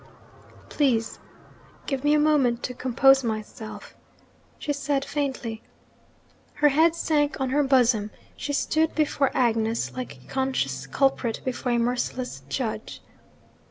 'Please give me a moment to compose myself,' she said faintly. Her head sank on her bosom: she stood before Agnes like a conscious culprit before a merciless judge.